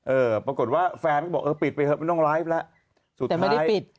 เออปรากฏว่าแฟนก็บอกเออปิดไปเถอะไม่ต้องไลฟ์แล้วสุดท้ายปิด